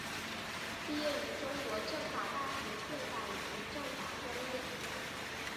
毕业于中国政法大学宪法与行政法专业。